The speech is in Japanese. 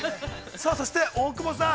◆さあそして、大久保さん。